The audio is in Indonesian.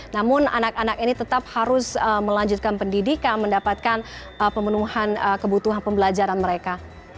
namun anak anak ini tetap harus melanjutkan pendidikan mendapatkan pemenuhan kebutuhan pembelajaran mereka